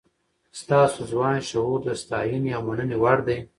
ستاسو ځوان شعور د ستاینې او مننې وړ دی.